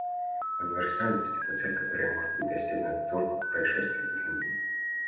Универсальность — это цель, которая может быть достигнута только по прошествии времени.